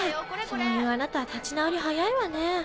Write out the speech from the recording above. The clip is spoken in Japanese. そういうあなたは立ち直り早いわね。